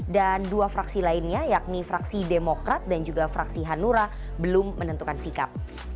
dan dua fraksi lainnya yakni fraksi demokrat dan juga fraksi hanura belum menentukan sikap